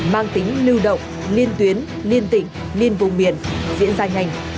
mang tính lưu động liên tuyến liên tỉnh liên vùng miền diễn ra nhanh